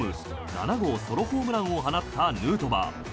７号ソロホームランを放ったヌートバー。